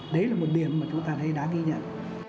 đấy là một điểm mà chúng ta thấy đáng ghi nhận